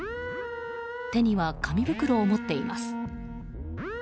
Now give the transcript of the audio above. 手には、紙袋を持っています。